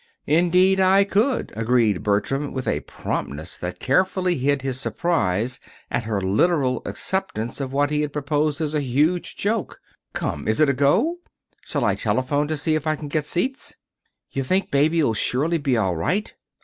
"Indeed I could," agreed Bertram, with a promptness that carefully hid his surprise at her literal acceptance of what he had proposed as a huge joke. "Come, is it a go? Shall I telephone to see if I can get seats?" "You think Baby'll surely be all right?"